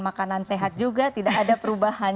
makanan sehat juga tidak ada perubahan